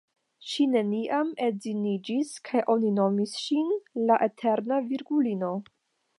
Ŝi neniam edziniĝis, kaj oni nomis ŝin "la Eterna Virgulino".